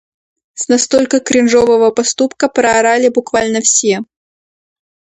С настолько кринжового поступка проорали буквально все.